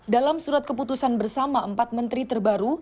dalam surat keputusan bersama empat menteri terbaru